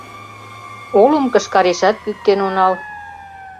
Олым кышкарешат кӱктен онал